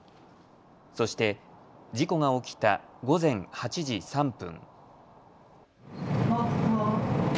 そして事故が起きた午前８時３分。